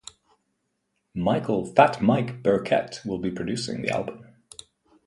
Michael "Fat Mike" Burkett will be producing the album.